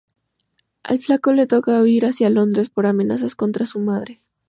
Al Flaco le toca huir hacia Londres por amenazas contra su madre.